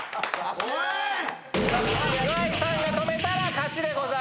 岩井さんが止めたら勝ちでございます。